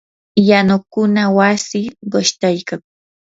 yanukuna wasi qushtaykan.